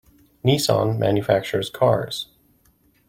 Nissan manufactures cars.